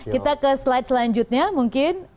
kita ke slide selanjutnya mungkin